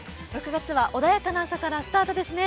６月は穏やかな朝からスタートですね。